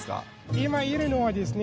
今いるのはですね